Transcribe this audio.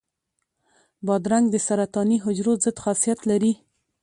بادرنګ د سرطاني حجرو ضد خاصیت لري.